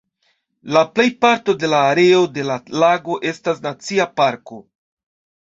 La plejparto de la areo de la lago estas nacia parko.